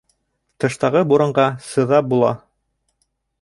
Тыштағы буранға сыҙап була